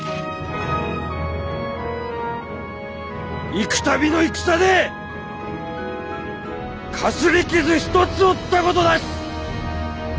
幾たびの戦でかすり傷一つ負ったことなし！